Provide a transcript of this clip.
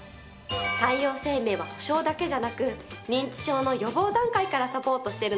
太陽生命は保障だけじゃなく認知症の予防段階からサポートしているのよ。